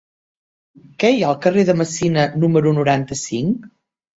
Què hi ha al carrer de Messina número noranta-cinc?